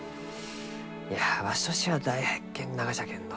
いやわしとしては大発見ながじゃけんど。